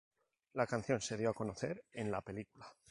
La canción se dio a conocer en la película.